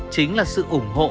chính là sự ủng hộ